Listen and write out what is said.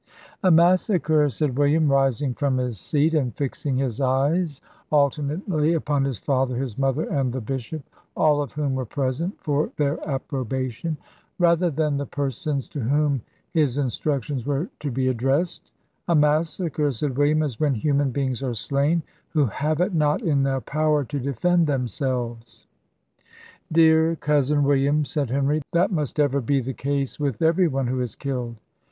"A massacre," said William, rising from his seat, and fixing his eyes alternately upon his father, his mother, and the bishop (all of whom were present) for their approbation, rather than the person's to whom his instructions were to be addressed "a massacre," said William, "is when human beings are slain, who have it not in their power to defend themselves." "Dear cousin William," said Henry, "that must ever be the case with every one who is killed."